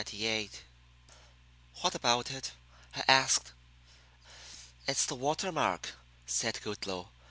"What about it?" I asked. "It's the water mark," said Goodloe.